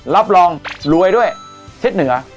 รับรองรวยด้วยทิศเหนือ